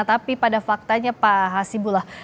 tapi pada faktanya pak hasibullah